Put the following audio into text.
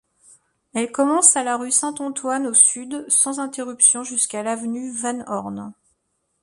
Elle commence à la rue Saint-Antoine au sud sans interruption jusqu'à l'avenue Van Horne.